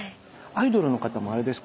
アイドルの方もあれですか？